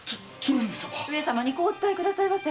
上様にこうお伝えくださいませ。